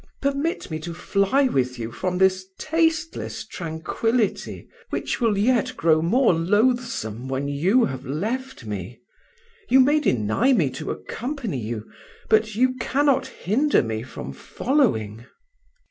Permit me to fly with you from this tasteless tranquillity, which will yet grow more loathsome when you have left me. You may deny me to accompany you, but cannot hinder me from following."